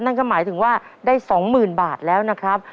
นั่นก็หมายถึงว่าได้๒๐๐๐บาทแล้วนะครับ